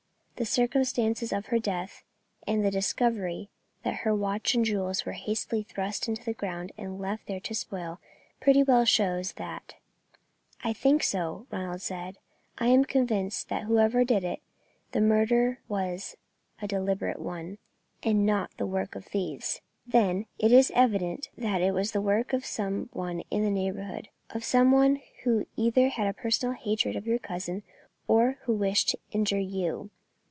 The circumstances of her death, and the discovery that her watch and jewels were hastily thrust into the ground and left there to spoil, pretty well shows that." "I think so," Ronald said. "I am convinced that whoever did it, the murder was a deliberate one, and not the work of thieves." "Then it is evident that it was the work of some one in the neighbourhood, of some one who either had a personal hatred of your cousin, or who wished to injure you."